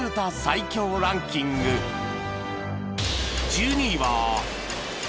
１２位は